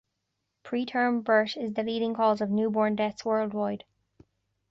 Preterm birth is the leading cause of newborn deaths worldwide.